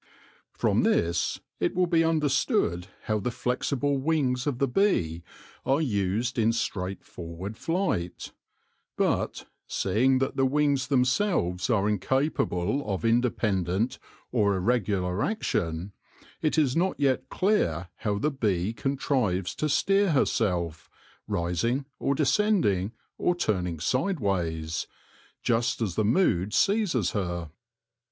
From this it will be understood how the flexible wings of the bee are used in straightforward flight ; but, seeing that the wings themselves are incapable of independent or irregular action, it is not yet clear how the bee contrives to steer herself, rising or descending, or turning sideways, just as the mood seizes her.